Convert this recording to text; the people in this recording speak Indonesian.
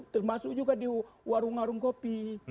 termasuk juga di warung warung kopi